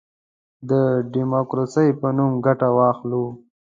د ډیموکراسی په نوم ګټه واخلو.